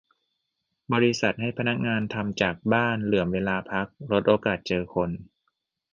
- บริษัทให้พนักงานทำจากบ้าน เหลื่อมเวลาพัก ลดโอกาสเจอคน